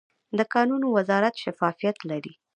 د کانونو وزارت شفافیت لري؟